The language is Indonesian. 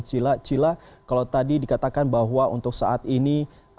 cila cila kalau tadi dikatakan bahwa untuk saat ini